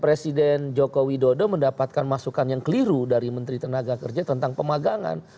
presiden joko widodo mendapatkan masukan yang keliru dari menteri tenaga kerja tentang pemagangan